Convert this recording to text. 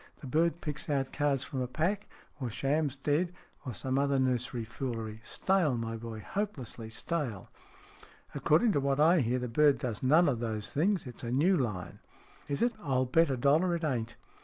The bird picks out cards from a pack, or shams dead, or some other nursery foolery. Stale, my boy, hopelessly stale." " According to what I hear, the bird does none of those things. It's a new line." " Is it ? I'll bet a dollar it ain't.